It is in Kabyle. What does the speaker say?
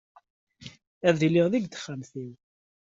Ad iliɣ deg texxamt-iw.